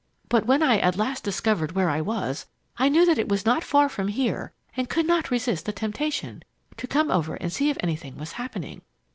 But when I at last discovered where I was, I knew that it was not far from here and could not resist the temptation to come over and see if anything was happening.